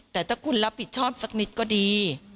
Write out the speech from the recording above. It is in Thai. แต่ถ้าคุณรับผิดชอบสักนิดก็ดี